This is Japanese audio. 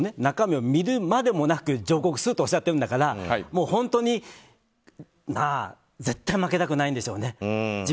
ただ、新潮社さんは中身を見るまでもなく上告するとおっしゃってるから絶対負けたくないんでしょうね。